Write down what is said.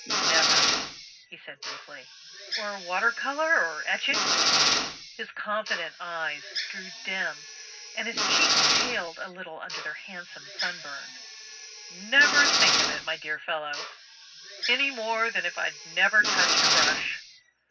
"Never," he said briefly. "Or water colour or etching?" His confident eyes grew dim, and his cheeks paled a little under their handsome sunburn. "Never think of it, my dear fellow any more than if I'd never touched a brush."